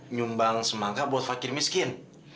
nyumbang semangat buat fakir miskin